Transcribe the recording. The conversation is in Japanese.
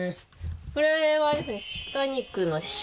これはですね。